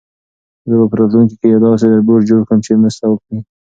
زه به په راتلونکي کې یو داسې روبوټ جوړ کړم چې مرسته وکړي.